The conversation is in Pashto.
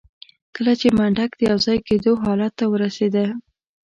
کله چې منډک د يوځای کېدو حالت ته ورسېده.